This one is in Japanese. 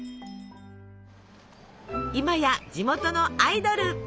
今や地元のアイドル！